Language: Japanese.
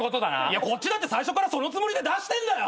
いやこっちだって最初からそのつもりで出してんだよ！